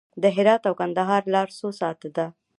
د هرات او کندهار لاره څو ساعته ده؟